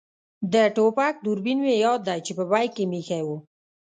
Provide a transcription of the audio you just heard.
د ټوپک دوربین مې یاد دی چې په بېک کې مې اېښی وو.